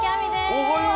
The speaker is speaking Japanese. おはよう。